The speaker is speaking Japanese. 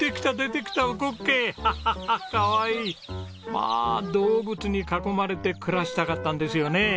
まあ動物に囲まれて暮らしたかったんですよね。